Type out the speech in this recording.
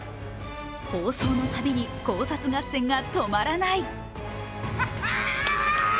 放送のたびに、考察合戦が止まらない。